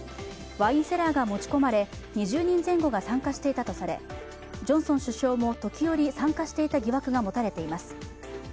ワインセラーが持ち込まれ２０人前後が参加していたとされジョンソン首相も時折参加していた疑惑が持たれています。